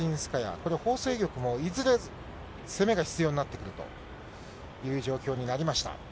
これ、ホウ倩玉もいずれ攻めが必要になってくるという状況になりました。